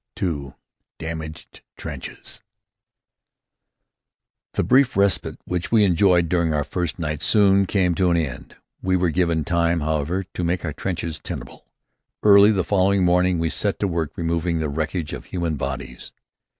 II. DAMAGED TRENCHES The brief respite which we enjoyed during our first night soon came to an end. We were given time, however, to make our trenches tenable. Early the following morning we set to work removing the wreckage of human bodies.